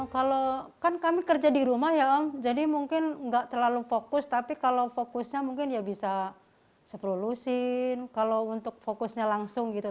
kalau kan kami kerja di rumah ya om jadi mungkin nggak terlalu fokus tapi kalau fokusnya mungkin ya bisa sepuluh lusin kalau untuk fokusnya langsung gitu